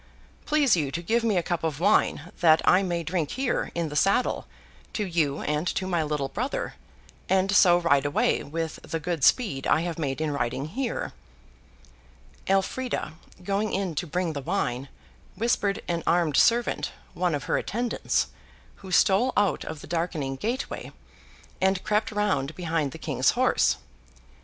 Please you to give me a cup of wine, that I may drink here, in the saddle, to you and to my little brother, and so ride away with the good speed I have made in riding here.' Elfrida, going in to bring the wine, whispered to an armed servant, one of her attendants, who stole out of the darkening gateway, and crept round behind the King's horse.